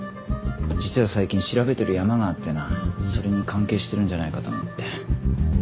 実は最近調べてるヤマがあってなそれに関係してるんじゃないかと思って。